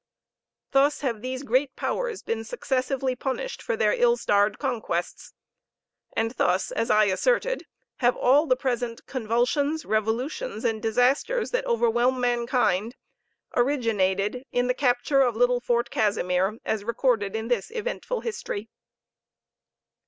Thus have these great Powers been successively punished for their ill starred conquests; and thus, as I asserted, have all the present convulsions, revolutions, and disasters that overwhelm mankind, originated in the capture of the little Fort Casimir, as recorded in this eventful history.